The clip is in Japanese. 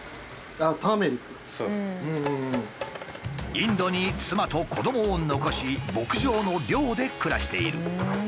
インドに妻と子どもを残し牧場の寮で暮らしている。